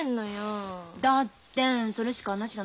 だってそれしか話がないんだもん。